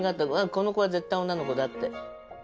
この子は絶対女の子だって。